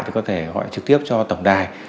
thì có thể gọi trực tiếp cho tổng đài